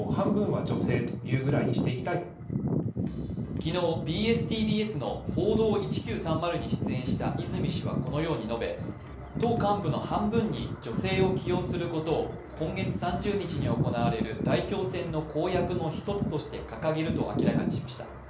昨日、ＢＳ−ＴＢＳの「報道１９３０」に出演した泉氏はこのように述べ、党幹部の半分に女性を起用することを今月３０日に行われる代表選の公約の一つとして掲げるとして明らかにしました。